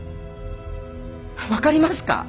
分かりますか？